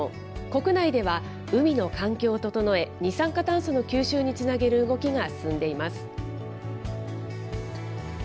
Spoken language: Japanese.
国内では、海の環境を整え、二酸化炭素の吸収につなげる動きが進んでいます。